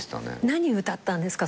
何歌ったんですか？